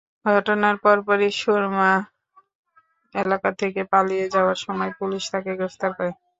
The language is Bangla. ঘটনার পরপরই সুরমা এলাকা দিয়ে পালিয়ে যাওয়ার সময় পুলিশ তাঁকে গ্রেপ্তার করে।